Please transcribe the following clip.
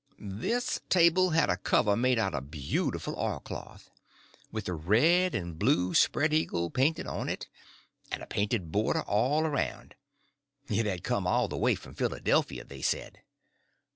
This table had a cover made out of beautiful oilcloth, with a red and blue spread eagle painted on it, and a painted border all around. It come all the way from Philadelphia, they said.